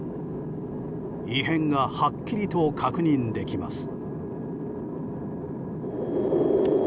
異変がはっきりと確認できます。